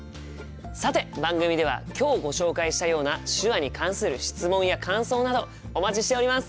さて番組では今日ご紹介したような手話に関する質問や感想などお待ちしております！